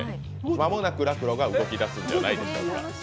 間もなくＲａｋｕＲｏが動き出すんじゃないでしょうか。